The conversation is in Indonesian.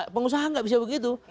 pengusaha tidak bisa begitu